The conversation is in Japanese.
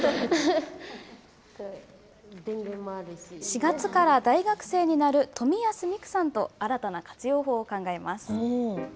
４月から大学生になる冨安美紅さんと新たな活用法を考えます。